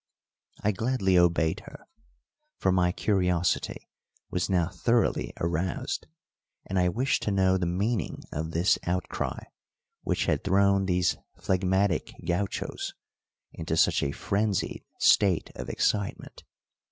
I gladly obeyed her, for my curiosity was now thoroughly aroused, and I wished to know the meaning of this outcry which had thrown these phlegmatic gauchos into such a frenzied state of excitement.